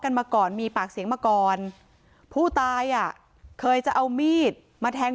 มาก่อนมีปากเสียงมาก่อนผู้ตายอ่ะเคยจะเอามีดมาแทง